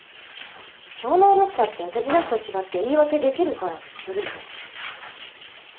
超能力者って手品師と違って言い訳出来るからずるいんです。